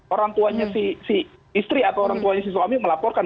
orang tuanya si istri atau orang tuanya si suami melaporkan